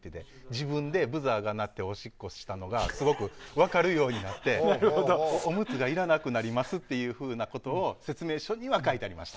自分でブザーが鳴っておしっこしたのがすごく分かるようになっておむつがいらなくなりますというふうなことが説明書には書いてありました。